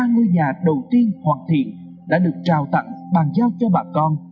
một mươi ba ngôi nhà đầu tiên hoàn thiện đã được trao tặng bàn giao cho bà con